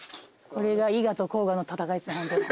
これが伊賀と甲賀の戦いです